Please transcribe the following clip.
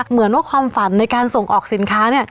เหมือนว่าความฝันในการส่งออกสินค้า